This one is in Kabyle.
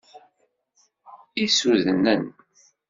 Issudnen!